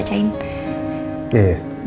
mau saya bacain